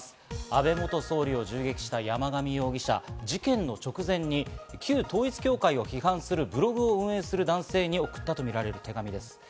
安倍元総理を銃撃した山上容疑者、事件の直前に旧統一教会を批判するブログを運営する男性に送ったとみられる手紙です。